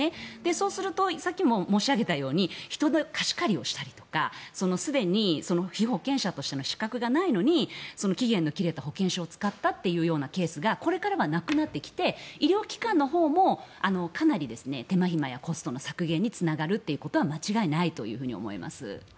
そうするとさっきも申し上げたように人で貸し借りをしたりとかすでに被保険者としての資格がないのに期限の切れた保険証を使ったというケースがこれからはなくなってきて医療機関のほうもかなり手間ひまやコストの削減につながるということは間違いないと思います。